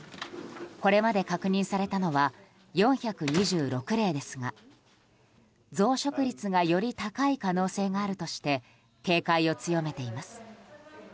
これまで確認されたのは４２６例ですが増殖率がより高い可能性があるとして警戒を強めています。